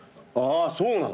あそうなの！？